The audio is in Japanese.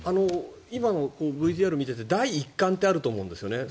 今のＶＴＲを見ていて一環ってあると思うんです。